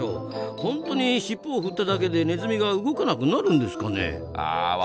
本当にしっぽを振っただけでネズミが動かなくなるんですかね？